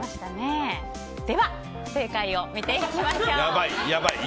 では、正解を見ていきましょう。